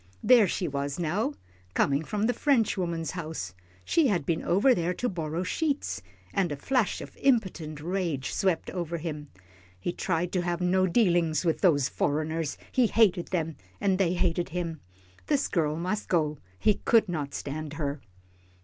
There she was now, coming from the French woman's house. She had been over there to borrow sheets, and a flash of impotent rage swept over him. He tried to have no dealings with those foreigners. He hated them, and they hated him. This girl must go, he could not stand her.